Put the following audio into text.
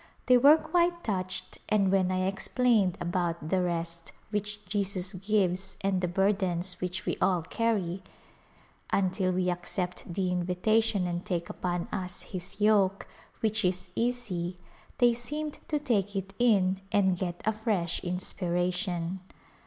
They were quite touched and when I explained about the rest which Jesus gives and the burdens which we all carry until we accept the invitation and take upon us His yoke — which is easy — they seemed to take it in and get a fresh inspiration.